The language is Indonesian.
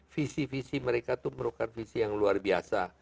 visi visi mereka itu merupakan visi yang luar biasa